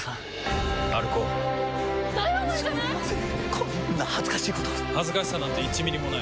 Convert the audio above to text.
こんな恥ずかしいこと恥ずかしさなんて１ミリもない。